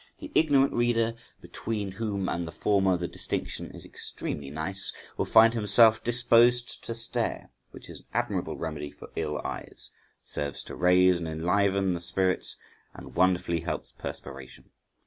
The ignorant reader (between whom and the former the distinction is extremely nice) will find himself disposed to stare, which is an admirable remedy for ill eyes, serves to raise and enliven the spirits, and wonderfully helps perspiration.